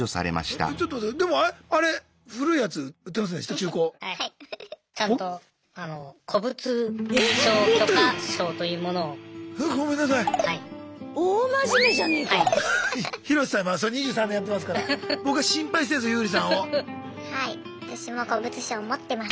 私も古物証持ってます。